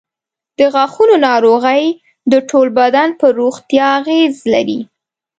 د غاښونو ناروغۍ د ټول بدن پر روغتیا اغېز لري.